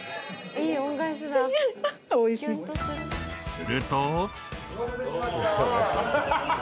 ［すると］